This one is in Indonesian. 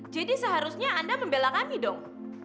jadi seharusnya anda membela kami dong